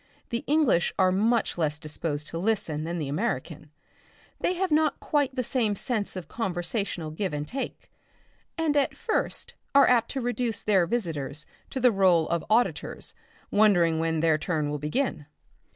The English are much less disposed to listen than the American; they have not quite the same sense of conversational give and take, and at first they are apt to reduce their visitors to the rôle of auditors wondering when their turn will begin.